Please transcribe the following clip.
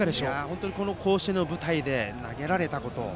本当に甲子園の舞台で投げられたこと